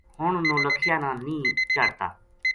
ہن نو لکھیا نا نیہہ چاڑھتا